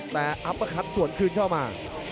แต่อัปเปอร์คัทส่วนคืนเข้ามา